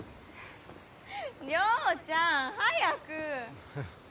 亮ちゃん。早く。